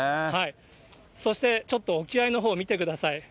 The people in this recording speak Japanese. そして、ちょっと沖合のほう、見てください。